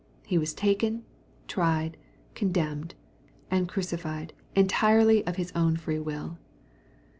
He was taken, tried, condemned, and crucified entirely of His own free will.